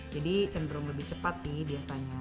jadi cenderung lebih cepat sih biasanya